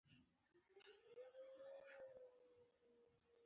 پاچا وويل: يووالى د هيواد د پرمختګ يوازينۍ لاره ده .